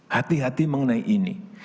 hati hati mengenai ini